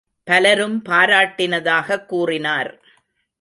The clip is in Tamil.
பலரும் பாராட்டினதாகக் கூறினார்.